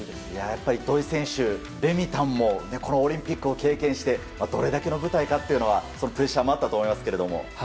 やっぱり土井選手、レミたんもオリンピックを経験してどれだけの舞台かというプレッシャーもあったと思いますが。